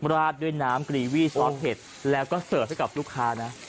ราดด้วยน้ำกรีวีซอสเผ็ดแล้วก็เสิร์ฟให้กับลูกค้านะ